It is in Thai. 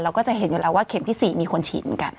ก็จะเห็นอยู่แล้วว่าเข็มที่๔มีคนฉีดเหมือนกัน